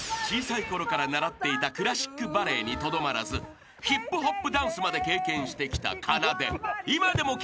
［小さいころから習っていたクラシックバレエにとどまらずヒップホップダンスまで経験してきたかなで］